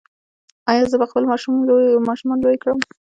ایا زه به خپل ماشومان لوی کړم؟